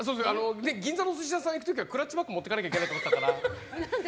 銀座のお寿司屋さんに行く時はクラッチバッグを持っていかないといけないと思ってたから。